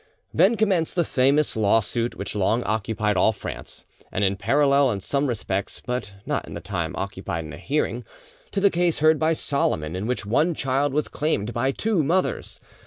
Then commenced this famous lawsuit, which long occupied all France, and is parallel in some respects, but not in the time occupied in the hearing, to the case heard by Solomon, in which one child was claimed by two mothers.